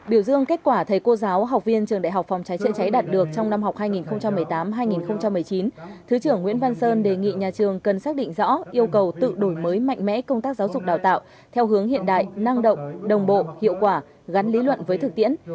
biểu dương kết quả thầy cô giáo học viên trường đại học phòng cháy chữa cháy đạt được trong năm học hai nghìn một mươi tám hai nghìn một mươi chín thứ trưởng nguyễn văn sơn đề nghị nhà trường cần xác định rõ yêu cầu tự đổi mới mạnh mẽ công tác giáo dục đào tạo theo hướng hiện đại năng động đồng bộ hiệu quả gắn lý luận với thực tiễn